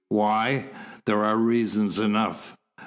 "Why? There are reasons enough!"